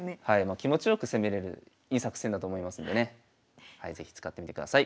気持ちよく攻めれるいい作戦だと思いますんでね是非使ってみてください。